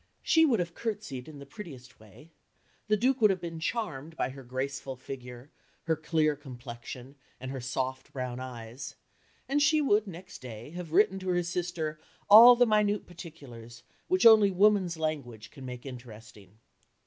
She would have curtsied in the prettiest way, the Duke would have been charmed by her graceful figure, her clear complexion, and her soft brown eyes, and she would next day have written to her sister "all the minute particulars, which only woman's language can make interesting."